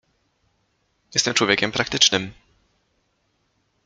"Jestem człowiekiem praktycznym."